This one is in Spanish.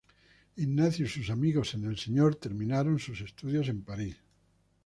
Ignacio y sus "amigos en el Señor" terminaron sus estudios en París.